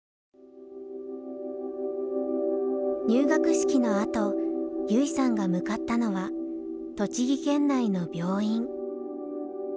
入学式のあと優生さんが向かったのは栃木県内の病院。